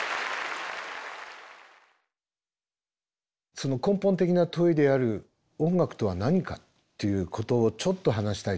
その根本的な問いである音楽とは何かっていうことをちょっと話したいと思います。